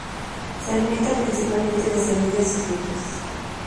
Se alimenta principalmente de semillas y frutos.